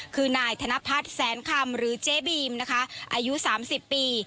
คือนายธนพัฒน์แสนคำหรือเจ๊บีมนะคะอายุ๓๐ปี